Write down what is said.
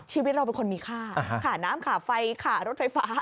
ชีวิตเราเป็นคนมีค่าขาน้ำขาไฟขารถไฟฟ้า